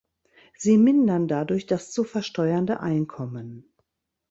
Sie mindern dadurch das zu versteuernde Einkommen.